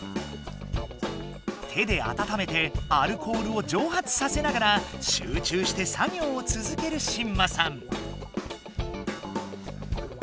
手であたためてアルコールをじょうはつさせながら集中して作業をつづけるしんまさん。